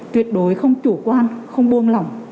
tuyệt đối không chủ quan không buông lỏng